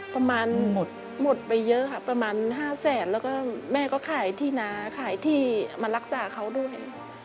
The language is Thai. ประมาณหมดไปเยอะค่ะประมาณ๕แสนแล้วก็แม่ก็ขายที่นาขายที่มารักษาเขาด้วย